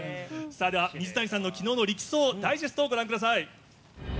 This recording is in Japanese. では、水谷さんのきのうの力走、ダイジェストをご覧ください。